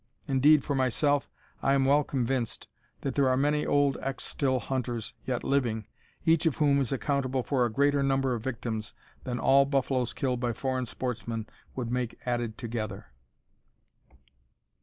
Indeed, for myself, I am well convinced that there are many old ex still hunters yet living, each of whom is accountable for a greater number of victims than all buffaloes killed by foreign sportsmen would make added together.